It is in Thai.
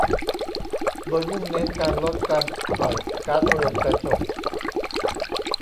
โดยมุ่งเน้นการลดการปล่อยก๊าซเรือนกระจก